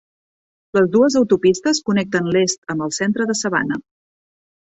Les dues autopistes connecten l'est amb el centre de Savannah.